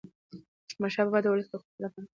احمدشاه بابا د ولس د خوښی لپاره کار کاوه.